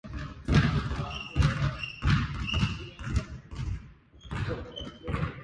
古い図書館の静寂の中で、古典の本のページをめくる音が聞こえる。知識の宝庫に身を置きながら、時間を忘れて本に没頭する喜びは格別だ。